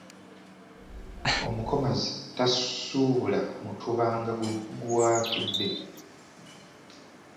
Omukomazi tasuubula mutuba nga guwaatudde.